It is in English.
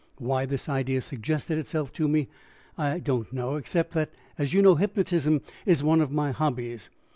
Why this idea suggested itself to me I do not know, except that, as you know, hypnotism is one of my hobbies.